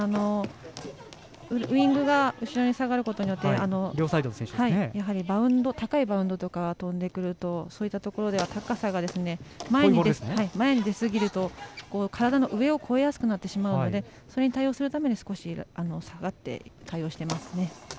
ウイングが後ろに下がることによって高いバウンドとかが飛んでくるとそういうところでは高さが前に出すぎると体の上を越えやすくなってしまうのでそれに対応するために少し下がって対応していますね。